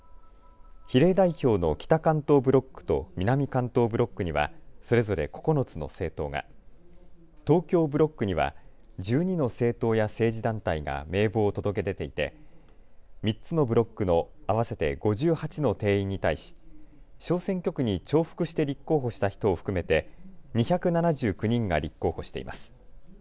比例代表の北関東ブロックと南関東ブロックにはそれぞれ９つの政党が、東京ブロックには１２の政党や政治団体が名簿を届け出ていて３つのブロックの合わせて５８の定員に対し小選挙区に重複して立候補した人を含めて２７９人が立候補しています。